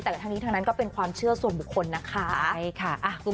แต่ทั้งนี้ทั้งนั้นก็เป็นความเชื่อส่วนบุคคลนะคะใช่ค่ะ